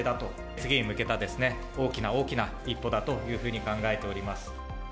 次へ向けた大きな大きな一歩だというふうに考えております。